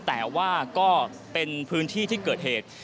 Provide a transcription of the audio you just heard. แต่ว่าก็เป็นพื้นที่ที่เกิดเหตุ